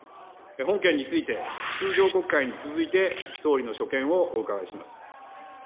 本件について、通常国会に続いて、総理の所見をお伺いします。